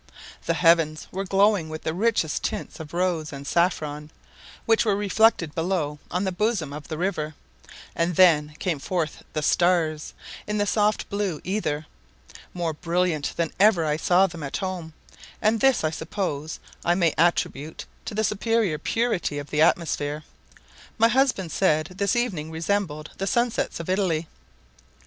The heavens were glowing with the richest tints of rose and saffron, which were reflected below on the bosom of the river; and then came forth the stars, in the soft blue ether, more brilliant than ever I saw them at home, and this, I suppose, I may attribute to the superior purity of the atmosphere. My husband said this evening resembled the sunsets of Italy.